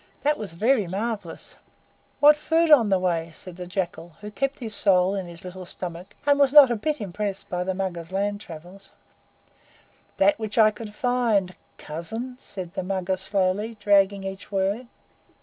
That was very marvellous!" "What food on the way?" said the Jackal, who kept his soul in his little stomach, and was not a bit impressed by the Mugger's land travels. "That which I could find COUSIN," said the Mugger slowly, dragging each word.